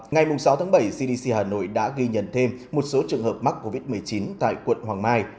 ngày sáu tháng bảy cdc hà nội đã ghi nhận thêm một số trường hợp mắc covid một mươi chín tại quận hoàng mai